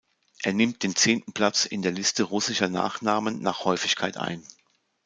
Er nimmt den zehnten Platz in der Liste russischer Nachnamen nach Häufigkeit ein.